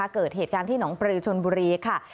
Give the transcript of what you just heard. เกิดเหตุการณ์ที่หนองปลือชนบุรีค่ะ